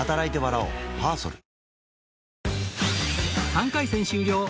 ３回戦終了